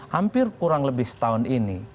hampir kurang lebih setahun ini